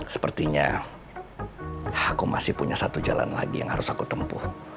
sepertinya aku masih punya satu jalan lagi yang harus aku tempuh